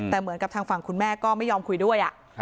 แต่เหมือนกับทางฝั่งคุณแม่ก็ไม่ยอมคุยด้วย